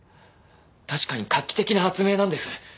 確かに画期的な発明なんです。